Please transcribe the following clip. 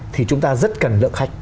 thì chúng ta rất cần lượng khách